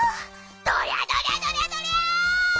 どりゃどりゃどりゃどりゃ！